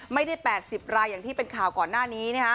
ไม่ได้๘๐รายอย่างที่เป็นข่าวก่อนหน้านี้